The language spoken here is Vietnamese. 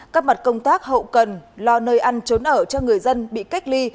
các mặt công tác hậu cần lo nơi ăn trốn ở cho người dân bị cách ly